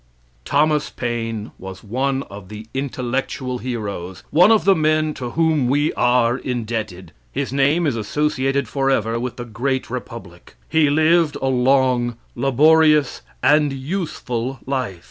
Thomas Paine was one of the intellectual heroes, one of the men to whom we are indebted. His name is associated forever with the great republic. He lived a long, laborious, and useful life.